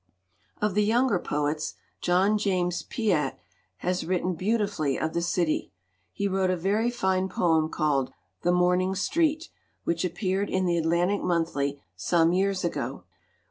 "Of the younger poets, John James Piatt has written beautifully of the city. He wrote a very fine poem called 'The Morning Street,' which appeared in the Atlantic Monthly some years ago.